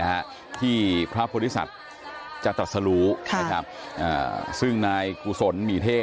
นะฮะที่พระพฤษัทจะตัดสรุค่ะซึ่งนายกุศลมีเทศ